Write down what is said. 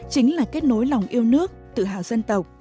chính là kết nối lòng yêu nước tự hào dân tộc